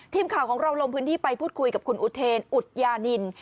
ทีมข่าวของเราลงพื้นที่ไปพูดคุยกับคุณอุเทนอุทยานิน